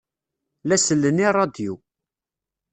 La sellen i ṛṛadyu.